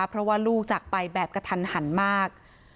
เพราะว่าลูกจากไปแบบกระทันหันมาก